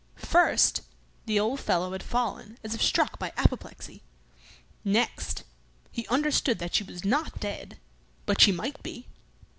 First, the old fellow had fallen as if struck by apoplexy. Next, he understood that she was not dead, but she might be.